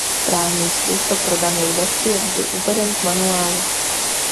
Správný způsob pro danou desku je vždy uveden v manuálu.